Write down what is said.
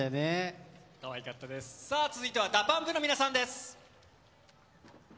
続いてはＤＡＰＵＭＰの皆さんです。